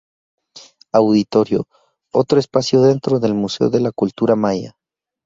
Auditorio: otro espacio dentro del museo de la cultura maya.